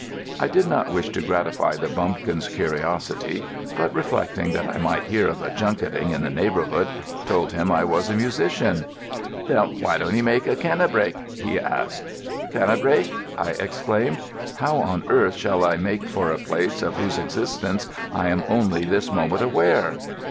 I did not wish to gratify the bumpkin's curiosity; but reflecting that I might hear of a junketing in the neighbourhood, told him I was a musician. "Then why don't 'ee make for Cannebrake?" he asked. "Cannebrake?" I exclaimed. "How on earth shall I make for a place of whose existence I am only this moment aware?"